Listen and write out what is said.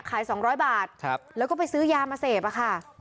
ขายสองร้อยบาทครับแล้วก็ไปซื้อยามาเสพอ่ะค่ะ